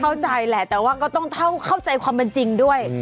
เข้าใจแหละแต่ว่าก็ต้องเข้าใจความเป็นจริงด้วย